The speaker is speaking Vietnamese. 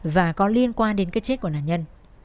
và có liên quan đến cái chết của nạn nhân